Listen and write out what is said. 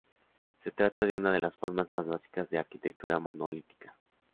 Se trata de una de las formas más básicas de arquitectura monolítica.